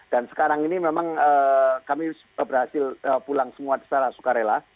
dan sekarang ini memang kami berhasil pulang semua secara sukarela